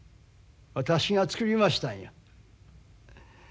私がつくりましたんや。